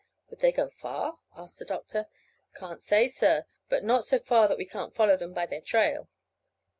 "Would they go far?" asked the doctor. "Can't say, sir, but not so far that we can't follow them by their trail."